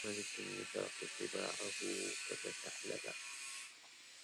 ملك النفاق طباعه فتثعلبا